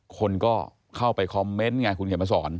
คนก็เข้าไปคอมเมนต์ไงคุณเขียนมาสอน